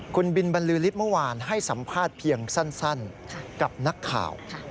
คุณบินบรรลือฤทธิ์เมื่อวานให้สัมภาษณ์เพียงสั้นกับนักข่าว